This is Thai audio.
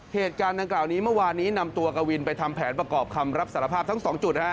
เหตุการณ์ดังกล่าวนี้เมื่อวานนี้นำตัวกวินไปทำแผนประกอบคำรับสารภาพทั้งสองจุดนะฮะ